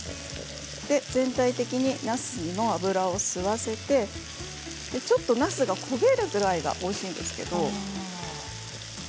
全体的に、なすに油を吸わせてちょっとなすが焦げるぐらいがおいしいんですけど。